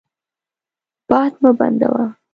باد مه بندوه.